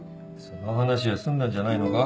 その話は済んだんじゃないのか。